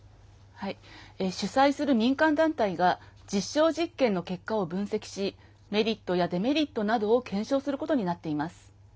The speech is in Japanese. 主催する民間団体が実証実験の結果を分析しメリットやデメリットなどを検証することになっています。